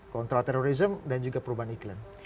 kontraterorisme dan juga perubahan iklan